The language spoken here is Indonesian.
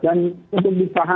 dan untuk disahkan